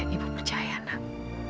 ibu percaya nak